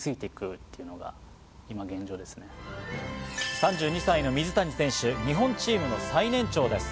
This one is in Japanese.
３２歳の水谷選手、日本チームの最年長です。